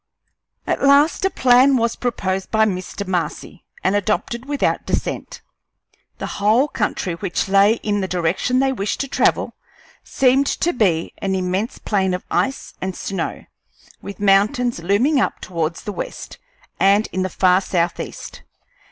At last a plan was proposed by Mr. Marcy, and adopted without dissent. The whole country which lay in the direction they wished to travel seemed to be an immense plain of ice and snow, with mountains looming up towards the west and in the far southeast.